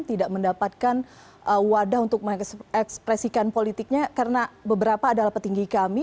tidak mendapatkan wadah untuk mengekspresikan politiknya karena beberapa adalah petinggi kami